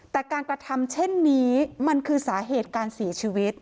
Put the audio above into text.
แต่การกระทำเช่นนี้มันคือสาเหตุการเสียชีวิต